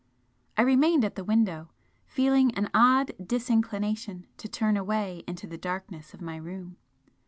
I remained at the window, feeling an odd disinclination to turn away into the darkness of my room.